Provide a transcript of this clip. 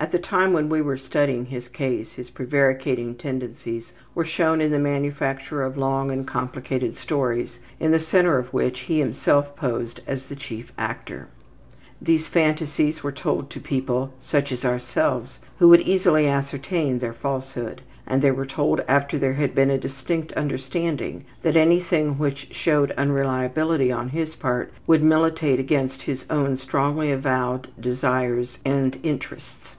At the time when we were studying his case his prevaricating tendencies were shown in the manufacture of long and complicated stories, in the center of which he himself posed as the chief actor. These phantasies were told to people, such as ourselves, who could easily ascertain their falsehood, and they were told after there had been a distinct understanding that anything which showed unreliability on his part would militate against his own strongly avowed desires and interests.